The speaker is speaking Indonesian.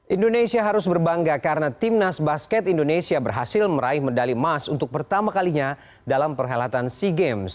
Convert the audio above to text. indonesia harus berbangga karena timnas basket indonesia berhasil meraih medali emas untuk pertama kalinya dalam perhelatan sea games